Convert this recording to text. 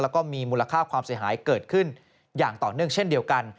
แล้วก็มีมูลค่าความเสียหายเกิดขึ้นอย่างต่อเนื่องเช่นเดียวกัน